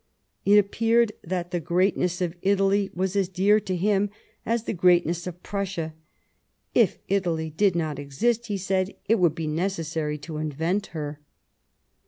It appeared that the greatness of Italy was as dear to him as the greatness of Prussia. " If Italy did not exist," he said, " it would be necessary to invent her."